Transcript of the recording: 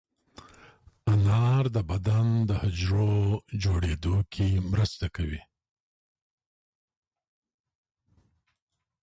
انار د بدن د حجرو جوړېدو کې مرسته کوي.